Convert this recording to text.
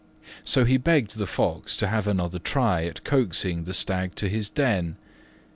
So he begged the Fox to have another try at coaxing the Stag to his den.